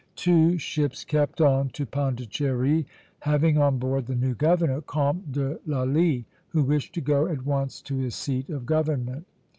Two ships kept on to Pondicherry, having on board the new governor, Comte de Lally, who wished to go at once to his seat of government.